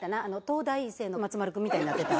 東大生の松丸君みたいなってた。